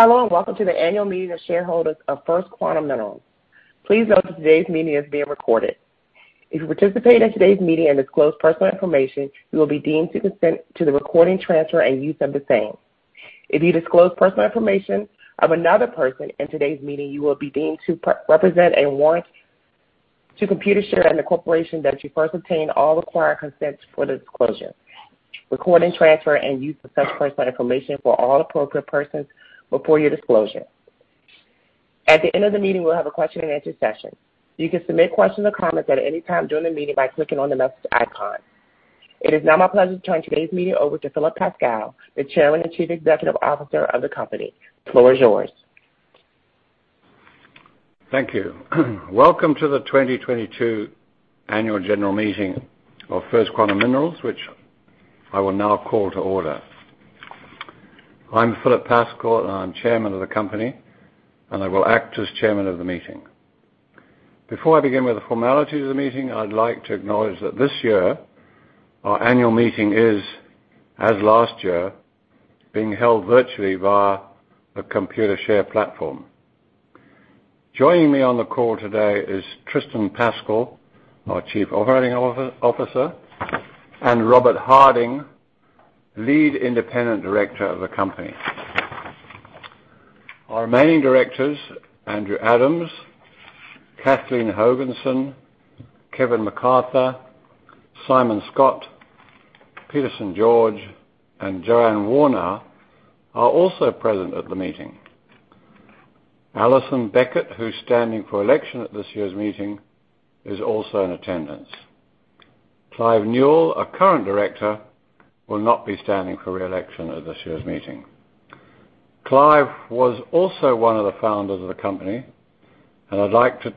Hello and welcome to the annual meeting of shareholders of First Quantum Minerals. Please note that today's meeting is being recorded. If you participate in today's meeting and disclose personal information, you will be deemed to consent to the recording, transfer, and use of the same. If you disclose personal information of another person in today's meeting, you will be deemed to represent and warrant to Computershare and the corporation that you first obtain all required consents for the disclosure, recording, transfer, and use of such personal information for all appropriate persons before your disclosure. At the end of the meeting, we'll have a question-and-answer session. You can submit questions or comments at any time during the meeting by clicking on the message icon. It is now my pleasure to turn today's meeting over to Philip Pascall, the Chairman and Chief Executive Officer of the company. The floor is yours. Thank you. Welcome to the 2022 annual general meeting of First Quantum Minerals, which I will now call to order. I'm Philip Pascall, and I'm chairman of the company, and I will act as chairman of the meeting. Before I begin with the formalities of the meeting, I'd like to acknowledge that this year, our annual meeting is, as last year, being held virtually via a Computershare platform. Joining me on the call today is Tristan Pascall, our Chief Operating Officer, and Robert Harding, Lead Independent Director of the company. Our remaining directors, Andrew Adams, Kathleen Hogenson, Kevin McArthur, Simon Scott, Peter St. George, and Joanne Warner, are also present at the meeting. Alison Beckett, who's standing for election at this year's meeting, is also in attendance. Clive Newall, a current director, will not be standing for re-election at this year's meeting. Clive was also one of the founders of the company, and I'd like to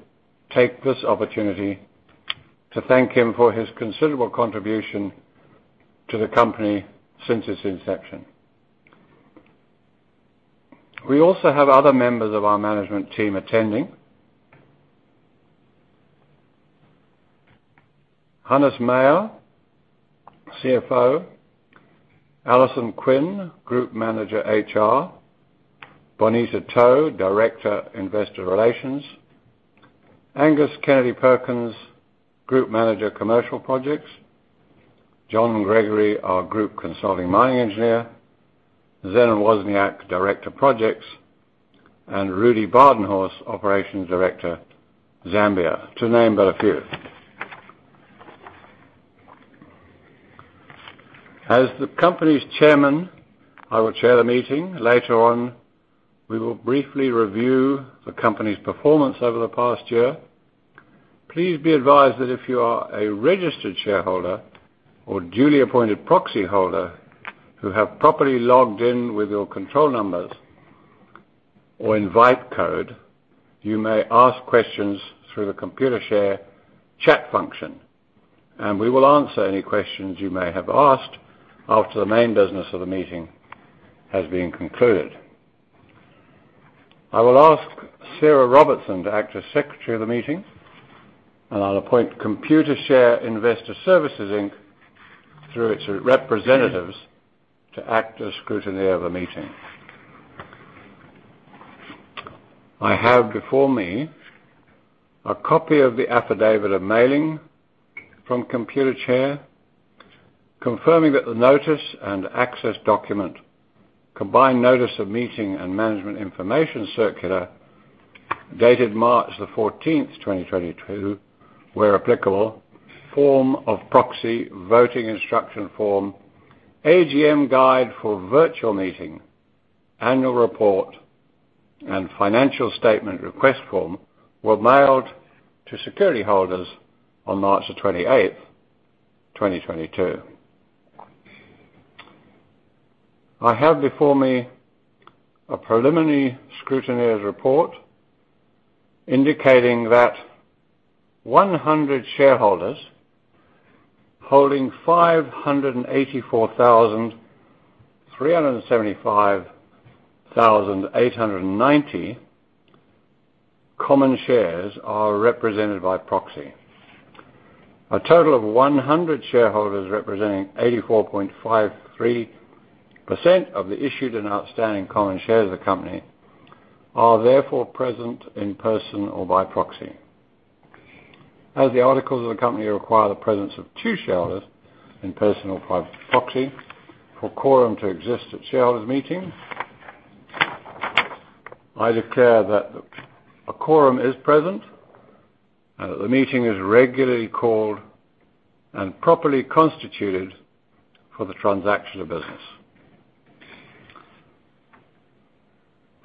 take this opportunity to thank him for his considerable contribution to the company since its inception. We also have other members of our management team attending. Hannes Meyer, CFO. Alison Quinn, Group Manager, HR. Bonita To, Director, Investor Relations. Angus Kennedy-Perkins, Group Manager, Commercial Projects. John Gregory, our group consulting mining engineer. Zenon Wozniak, Director, Projects, and Rudi Badenhorst, Operations Director, Zambia, to name but a few. As the company's chairman, I will chair the meeting. Later on, we will briefly review the company's performance over the past year. Please be advised that if you are a registered shareholder or duly appointed proxyholder who have properly logged in with your control numbers or invite code, you may ask questions through the Computershare chat function, and we will answer any questions you may have asked after the main business of the meeting has been concluded. I will ask Sarah Robertson to act as secretary of the meeting. I'll appoint Computershare Investor Services Inc., through its representatives, to act as scrutineer of the meeting. I have before me a copy of the affidavit of mailing from Computershare, confirming that the notice and access document, combined notice of meeting and management information circular dated March 14, 2022, where applicable, form of proxy, voting instruction form, AGM guide for virtual meeting, annual report, and financial statement request form were mailed to security holders on March 28, 2022. I have before me a preliminary scrutineer's report indicating that 100 shareholders holding 584,375,890 common shares are represented by proxy. A total of 100 shareholders, representing 84.53% of the issued and outstanding common shares of the company, are therefore present in person or by proxy. As the articles of the company require the presence of two shareholders, in person or by proxy, for quorum to exist at shareholders' meetings, I declare that a quorum is present and that the meeting is regularly called and properly constituted for the transaction of business.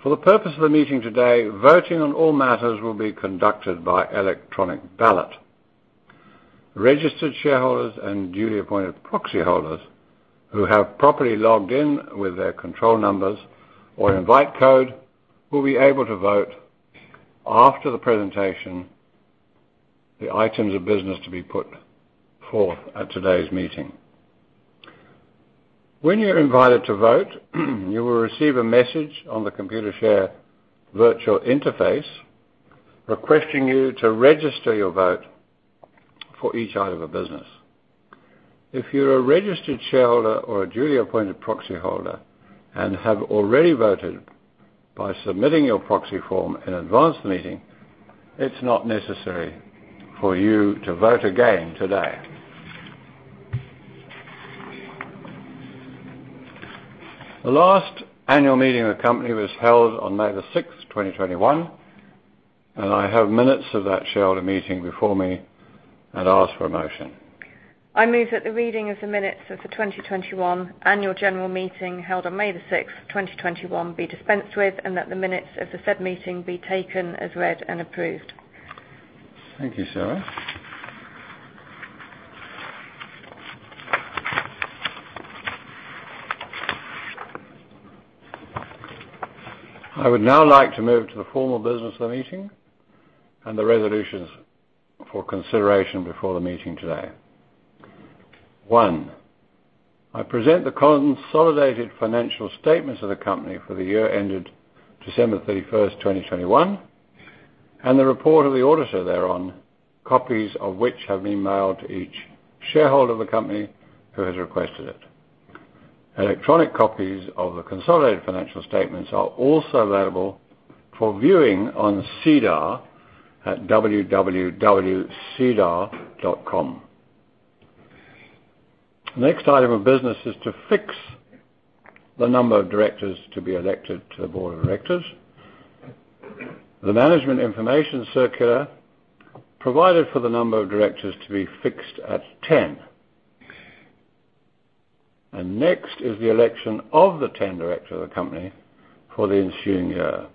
For the purpose of the meeting today, voting on all matters will be conducted via electronic ballot. Registered shareholders and duly appointed proxy holders who have properly logged in with their control numbers or invite code will be able to vote after the presentation, the items of business to be put forth at today's meeting. When you're invited to vote, you will receive a message on the Computershare virtual interface requesting you to register your vote for each item of business. If you're a registered shareholder or a duly appointed proxy holder and have already voted by submitting your proxy form in advance of the meeting, it's not necessary for you to vote again today. The last annual meeting of the company was held on May 6, 2021, and I have minutes of that shareholder meeting before me and ask for a motion. I move that the reading of the minutes of the 2021 annual general meeting held on May 6, 2021 be dispensed with and that the minutes of the said meeting be taken as read and approved. Thank you, Sarah. I would now like to move to the formal business of the meeting and the resolutions for consideration before the meeting today. one, I present the consolidated financial statements of the company for the year ended December 31, 2021, and the report of the auditor thereon, copies of which have been mailed to each shareholder of the company who has requested it. Electronic copies of the consolidated financial statements are also available for viewing on SEDAR at www.sedar.com. Next item of business is to fix the number of directors to be elected to the Board of Directors. The management information circular provided for the number of directors to be fixed at 10. Next is the election of the 10 directors of the company for the ensuing year.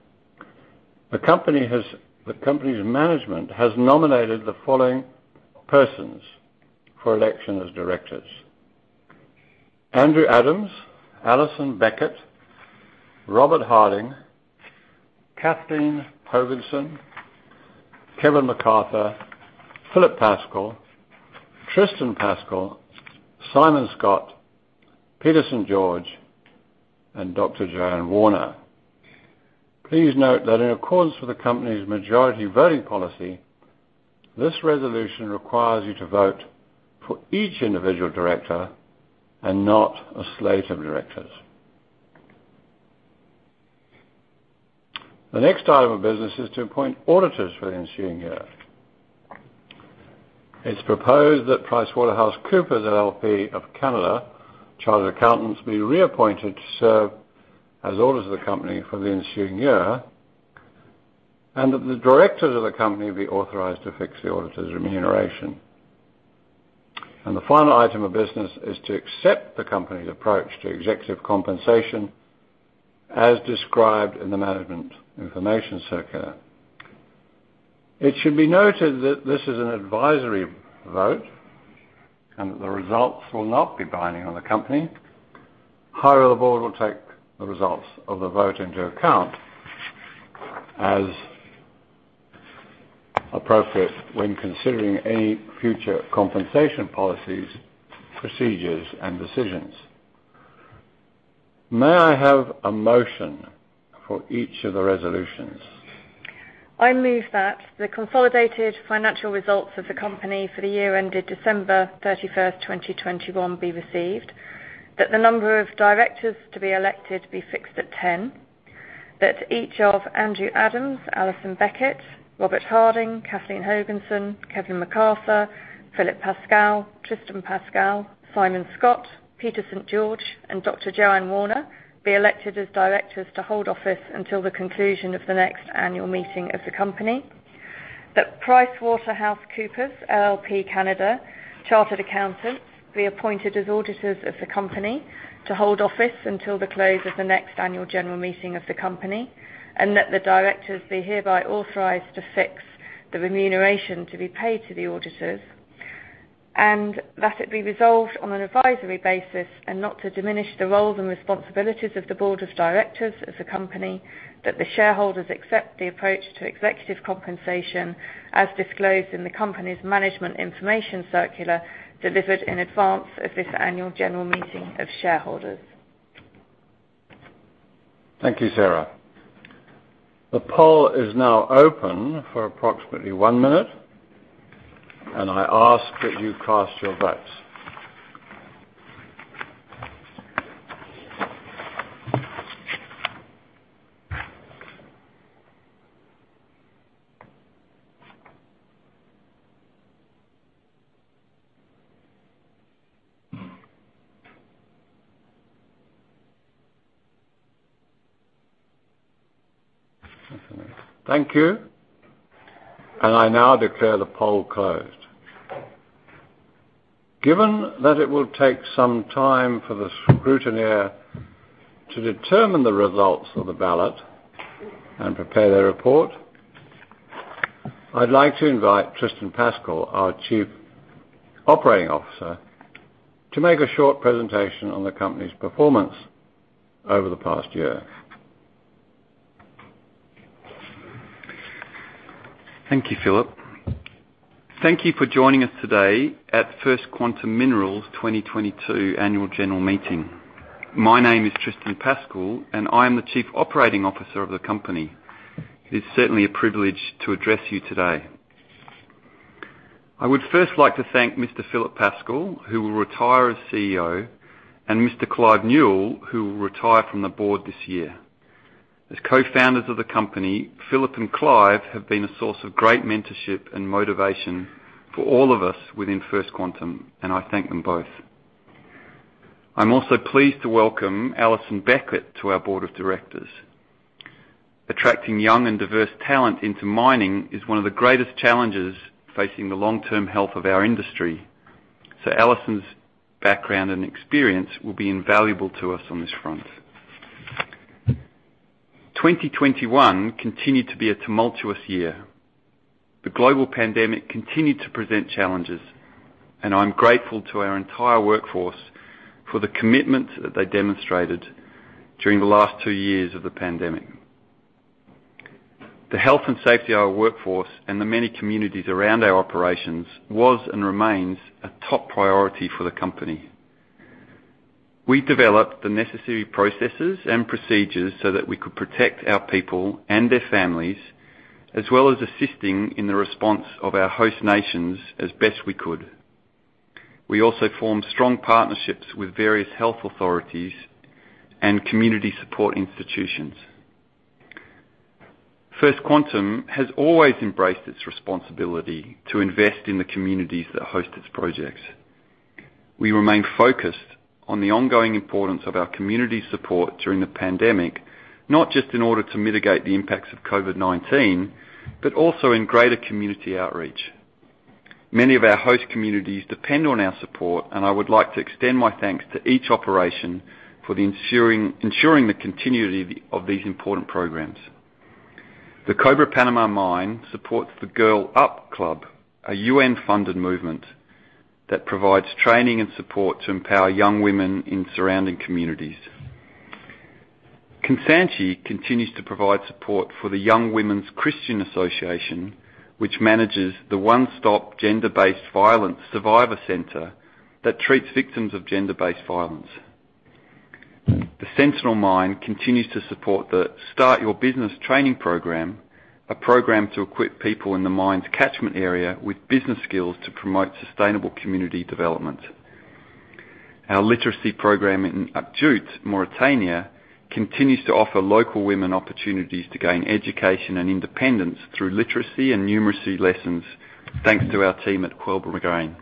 The company's management has nominated the following persons for election as directors: Andrew Adams, Alison Beckett, Robert Harding, Kathleen Hogenson, Kevin McArthur, Philip Pascall, Tristan Pascall, Simon Scott, Peter St. George, and Dr. Joanne Warner. Please note that in accordance with the company's majority voting policy, this resolution requires you to vote for each individual director and not a slate of directors. The next item of business is to appoint auditors for the ensuing year. It's proposed that PricewaterhouseCoopers LLP of Canada, Chartered Accountants, be reappointed to serve as auditors of the company for the ensuing year and that the directors of the company be authorized to fix the auditors' remuneration. The final item of business is to accept the company's approach to executive compensation as described in the management information circular. It should be noted that this is an advisory vote and that the results will not be binding on the company. However, The Board will take the results of the vote into account as appropriate when considering any future compensation policies, procedures, and decisions. May I have a motion for each of the resolutions? I move that the consolidated financial results of the company for the year ended December 31, 2021 be received, that the number of directors to be elected be fixed at 10, that each of Andrew Adams, Alison Beckett, Robert Harding, Kathleen Hogenson, Kevin McArthur, Philip Pascall, Tristan Pascall, Simon Scott, Peter St. George, and Dr. Joanne Warner be elected as directors to hold office until the conclusion of the next annual meeting of the company. That PricewaterhouseCoopers LLP Canada, Chartered Accountants, be appointed as auditors of the company to hold office until the close of the next annual general meeting of the company, and that the directors be hereby authorized to fix the remuneration to be paid to the auditors. that it be resolved on an advisory basis and not to diminish the roles and responsibilities of the Board of Directors of the company that the shareholders accept the approach to executive compensation as disclosed in the company's management information circular delivered in advance of this annual general meeting of shareholders. Thank you, Sarah. The poll is now open for approximately one minute, and I ask that you cast your votes. Thank you. I now declare the poll closed. Given that it will take some time for the scrutineer to determine the results of the ballot and prepare their report, I'd like to invite Tristan Pascall, our Chief Operating Officer, to make a short presentation on the company's performance over the past year. Thank you, Philip. Thank you for joining us today at First Quantum Minerals' 2022 annual general meeting. My name is Tristan Pascall, and I am the Chief Operating Officer of the company. It is certainly a privilege to address you today. I would first like to thank Mr. Philip Pascall, who will retire as CEO, and Mr. Clive Newall, who will retire from the Board this year. As co-founders of the company, Philip and Clive have been a source of great mentorship and motivation for all of us within First Quantum, and I thank them both. I'm also pleased to welcome Alison Beckett to our Board of Directors. Attracting young and diverse talent into mining is one of the greatest challenges facing the long-term health of our industry, so Alison's background and experience will be invaluable to us on this front. 2021 continued to be a tumultuous year. The global pandemic continued to present challenges, and I'm grateful to our entire workforce for the commitment that they demonstrated during the last two years of the pandemic. The health and safety of our workforce and the many communities around our operations was and remains a top priority for the company. We developed the necessary processes and procedures so that we could protect our people and their families, as well as assisting in the response of our host nations as best we could. We also formed strong partnerships with various health authorities and community support institutions. First Quantum has always embraced its responsibility to invest in the communities that host its projects. We remain focused on the ongoing importance of our community support during the pandemic, not just in order to mitigate the impacts of COVID-19, but also in greater community outreach. Many of our host communities depend on our support, and I would like to extend my thanks to each operation for ensuring the continuity of these important programs. The Cobre Panamá mine supports the Girl Up Club, a UN-funded movement that provides training and support to empower young women in surrounding communities. Kansanshi continues to provide support for the Young Women's Christian Association, which manages the one-stop gender-based violence survivor center that treats victims of gender-based violence. The Sentinel Mine continues to support the Start Your Business training program, a program to equip people in the mine's catchment area with business skills to promote sustainable community development. Our literacy program in Akjoujt, Mauritania, continues to offer local women opportunities to gain education and independence through literacy and numeracy lessons thanks to our team at Quebrada Blanca.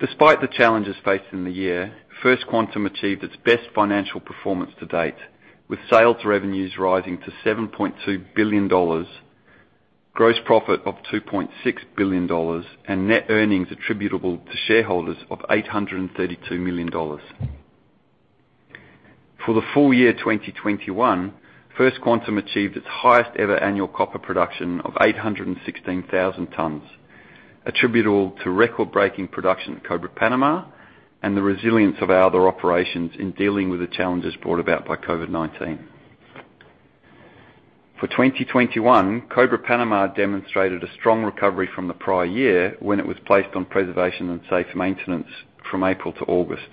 Despite the challenges faced in the year, First Quantum Minerals achieved its best financial performance to date, with sales revenues rising to $7.2 billion, gross profit of $2.6 billion, and net earnings attributable to shareholders of $832 million. For the full year 2021, First Quantum Minerals achieved its highest ever annual copper production of 816,000 tons, attributable to record-breaking production at Cobre Panamá and the resilience of our other operations in dealing with the challenges brought about by COVID-19. For 2021, Cobre Panamá demonstrated a strong recovery from the prior year when it was placed on preservation and safe maintenance from April to August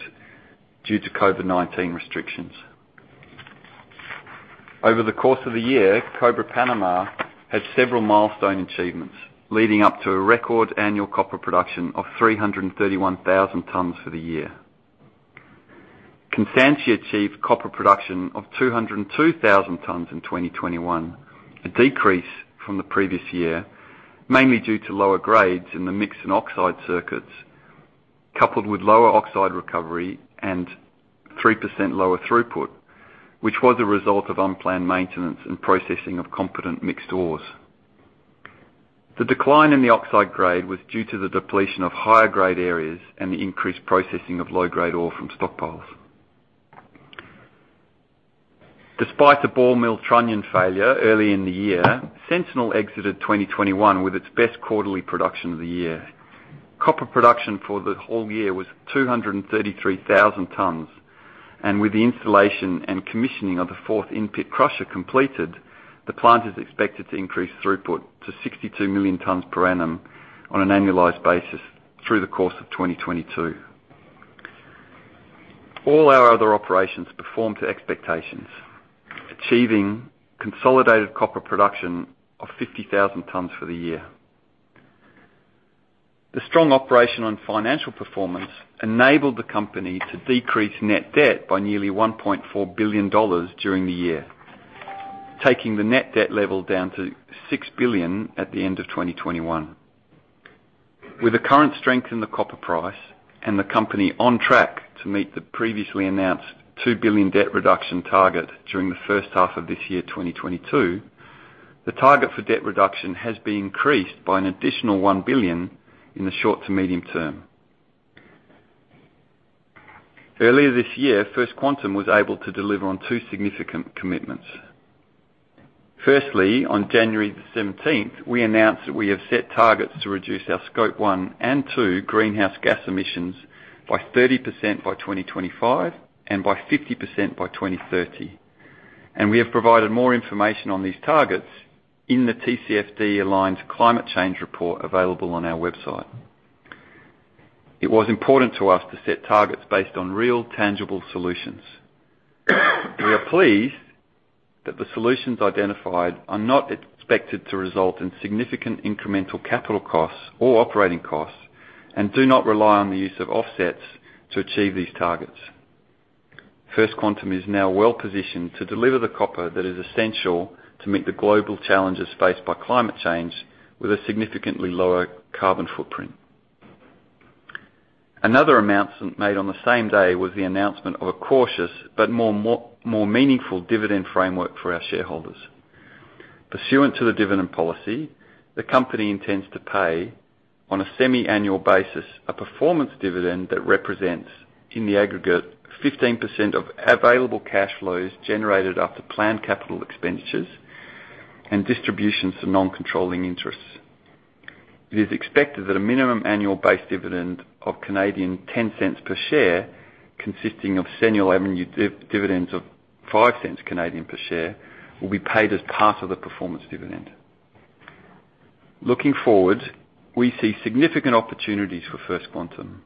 due to COVID-19 restrictions. Over the course of the year, Cobre Panamá had several milestone achievements, leading up to a record annual copper production of 331,000 tons for the year. Kansanshi achieved copper production of 202,000 tons in 2021, a decrease from the previous year, mainly due to lower grades in the mix and oxide circuits, coupled with lower oxide recovery and 3% lower throughput, which was a result of unplanned maintenance and processing of competent mixed ores. The decline in the oxide grade was due to the depletion of higher grade areas and the increased processing of low-grade ore from stockpiles. Despite the ball mill trunnion failure early in the year, Sentinel exited 2021 with its best quarterly production of the year. Copper production for the whole year was 233,000 tons, and with the installation and commissioning of the fourth in-pit crusher completed, the plant is expected to increase throughput to 62 million tons per annum on an annualized basis through the course of 2022. All our other operations performed to expectations, achieving consolidated copper production of 50,000 tons for the year. The strong operational financial performance enabled the company to decrease net debt by nearly $1.4 billion during the year, taking the net debt level down to $6 billion at the end of 2021. With the current strength in the copper price and the company on track to meet the previously announced $2 billion debt reduction target during the first half of this year, 2022, the target for debt reduction has been increased by an additional $1 billion in the short to medium term. Earlier this year, First Quantum was able to deliver on two significant commitments. Firstly, on January the seventeenth, we announced that we have set targets to reduce our Scope 1 and 2 greenhouse gas emissions by 30% by 2025 and by 50% by 2030. We have provided more information on these targets in the TCFD-aligned climate change report available on our website. It was important to us to set targets based on real, tangible solutions. We are pleased that the solutions identified are not expected to result in significant incremental capital costs or operating costs, and do not rely on the use of offsets to achieve these targets. First Quantum is now well-positioned to deliver the copper that is essential to meet the global challenges faced by climate change with a significantly lower carbon footprint. Another announcement made on the same day was the announcement of a cautious but more meaningful dividend framework for our shareholders. Pursuant to the dividend policy, the company intends to pay, on a semi-annual basis, a performance dividend that represents, in the aggregate, 15% of available cash flows generated after planned capital expenditures and distributions to non-controlling interests. It is expected that a minimum annual base dividend of 0.10 per share, consisting of senior avenue dividends of 0.05 per share, will be paid as part of the performance dividend. Looking forward, we see significant opportunities for First Quantum Minerals.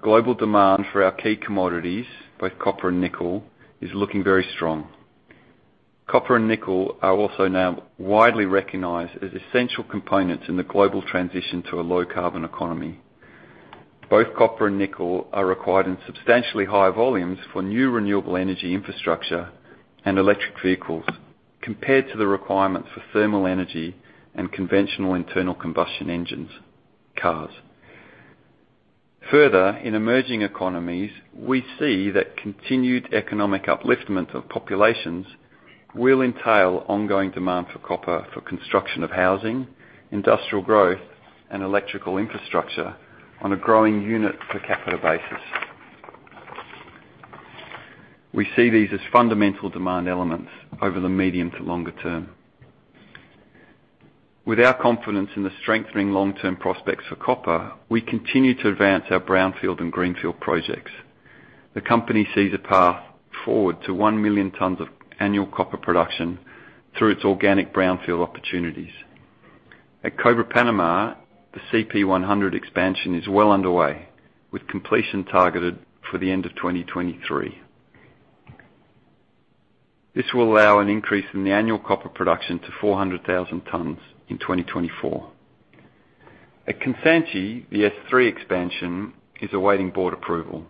Global demand for our key commodities, both copper and nickel, is looking very strong. Copper and nickel are also now widely recognized as essential components in the global transition to a low-carbon economy. Both copper and nickel are required in substantially high volumes for new renewable energy infrastructure and electric vehicles compared to the requirements for thermal energy and conventional internal combustion engines, cars. Further, in emerging economies, we see that continued economic upliftment of populations will entail ongoing demand for copper for construction of housing, industrial growth, and electrical infrastructure on a growing per capita basis. We see these as fundamental demand elements over the medium to longer term. With our confidence in the strengthening long-term prospects for copper, we continue to advance our brownfield and greenfield projects. The company sees a path forward to 1 million tons of annual copper production through its organic brownfield opportunities. At Cobre Panamá, the CP100 expansion is well underway, with completion targeted for the end of 2023. This will allow an increase in the annual copper production to 400,000 tons in 2024. At Kansanshi, the S3 expansion is awaiting Board approval.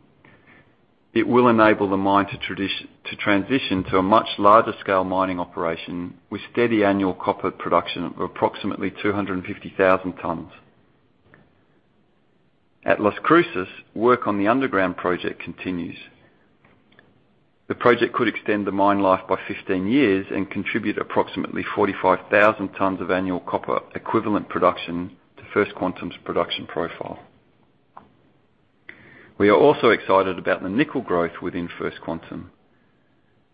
It will enable the mine to transition to a much larger scale mining operation with steady annual copper production of approximately 250,000 tons. At Las Cruces, work on the underground project continues. The project could extend the mine life by 15 years and contribute approximately 45,000 tons of annual copper equivalent production to First Quantum's production profile. We are also excited about the nickel growth within First Quantum.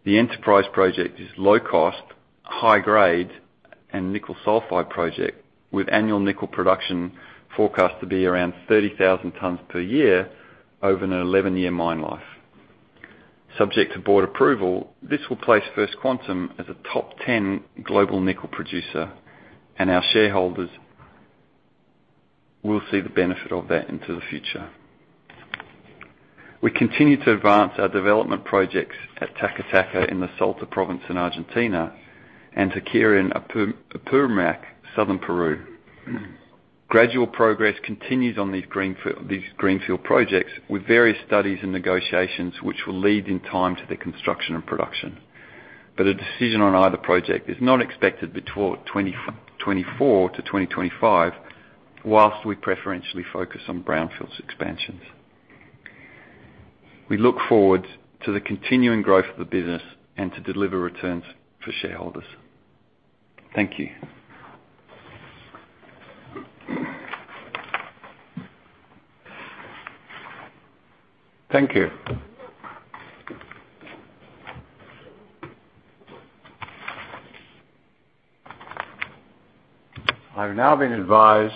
The Enterprise project is low cost, high grade, and nickel sulfide project with annual nickel production forecast to be around 30,000 tons per year over an 11-year mine life. Subject to Board approval, this will place First Quantum as a top 10 global nickel producer, and our shareholders will see the benefit of that into the future. We continue to advance our development projects at Taca Taca in the Salta Province in Argentina, and Taqueria in Apurímac, southern Peru. Gradual progress continues on these greenfield projects with various studies and negotiations which will lead in time to the construction and production. A decision on either project is not expected before 2024-2025, while we preferentially focus on brownfields expansions. We look forward to the continuing growth of the business and to deliver returns for shareholders. Thank you. Thank you. I've now been advised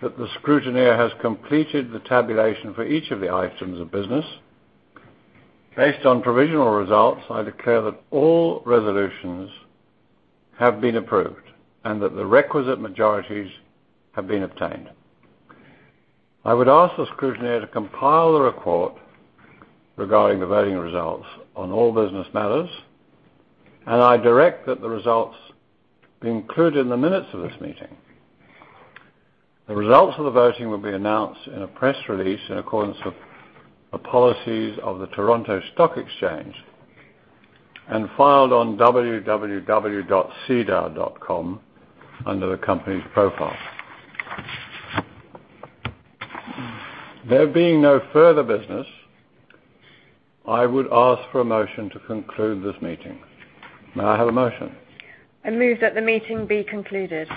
that the scrutineer has completed the tabulation for each of the items of business. Based on provisional results, I declare that all resolutions have been approved and that the requisite majorities have been obtained. I would ask the scrutineer to compile the report regarding the voting results on all business matters, and I direct that the results be included in the minutes of this meeting. The results of the voting will be announced in a press release in accordance with the policies of the Toronto Stock Exchange and filed on www.sedar.com under the company's profile. There being no further business, I would ask for a motion to conclude this meeting. May I have a motion? I move that the meeting be concluded.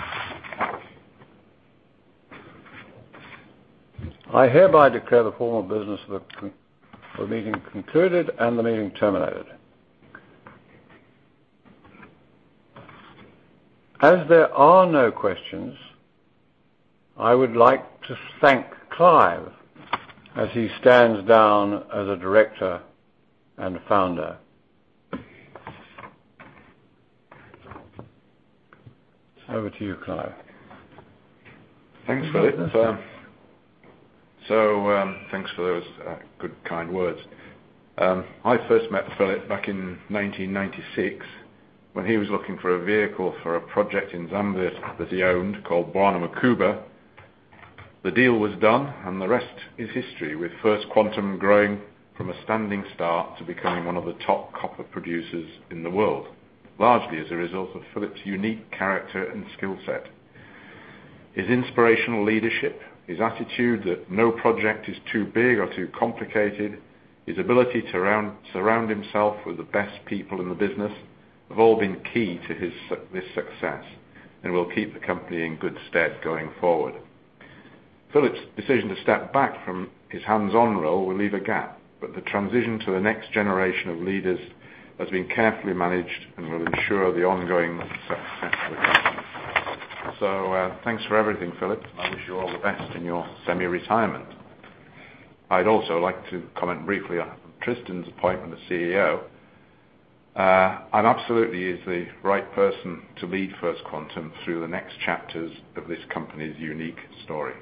I hereby declare the formal business of the meeting concluded and the meeting terminated. As there are no questions, I would like to thank Clive as he stands down as a director and founder. It's over to you, Clive. Thanks, Philip. Thanks for those good, kind words. I first met Philip back in 1996 when he was looking for a vehicle for a project in Zambia that he owned called Bwana Mkubwa. The deal was done, and the rest is history, with First Quantum growing from a standing start to becoming one of the top copper producers in the world, largely as a result of Philip's unique character and skill set. His inspirational leadership, his attitude that no project is too big or too complicated, his ability to surround himself with the best people in the business, have all been key to his success and will keep the company in good stead going forward. Philip's decision to step back from his hands-on role will leave a gap, but the transition to the next generation of leaders has been carefully managed and will ensure the ongoing success of the company. Thanks for everything, Philip. I wish you all the best in your semi-retirement. I'd also like to comment briefly on Tristan's appointment as CEO. Absolutely is the right person to lead First Quantum through the next chapters of this company's unique story.